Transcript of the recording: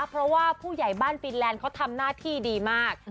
เพราะว่าผู้ใหญ่บ้านฟินแลนด์เขาทำหน้าที่ดีมาก